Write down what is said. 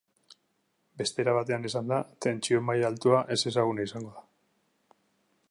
Beste era batean esanda, tentsio-maila altua ezezaguna izango da.